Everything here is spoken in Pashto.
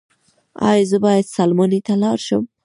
ایا زه باید سلماني ته لاړ شم؟